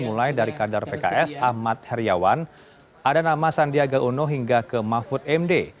mulai dari kadar pks ahmad heriawan ada nama sandiaga uno hingga ke mahfud md